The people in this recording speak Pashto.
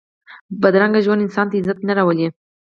بدرنګه ژوند انسان ته عزت نه راولي